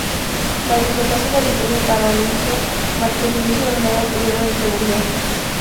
La dislocación del Imperio carolingio marcó el inicio de un nuevo periodo de inseguridad.